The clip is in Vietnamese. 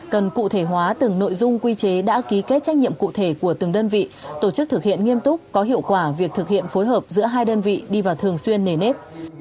cần cụ thể hóa từng nội dung quy chế đã ký kết trách nhiệm cụ thể của từng đơn vị tổ chức thực hiện nghiêm túc có hiệu quả việc thực hiện phối hợp giữa hai đơn vị đi vào thường xuyên nề nếp